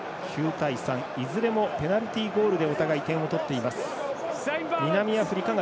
９対３いずれもペナルティゴールでお互い点を取っています。